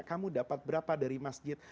kamu dapat berapa dari masjid